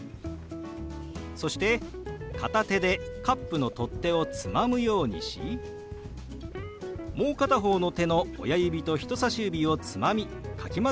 そして片手でカップの取っ手をつまむようにしもう片方の手の親指と人さし指をつまみかき混ぜるように動かします。